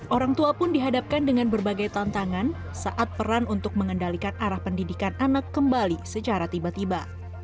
orang tua pun dihadapkan dengan berbagai tantangan saat peran untuk mengendalikan arah pendidikan anak kembali secara tiba tiba